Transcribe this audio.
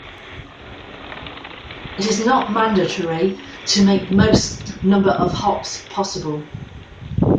It is not mandatory to make the most number of hops possible.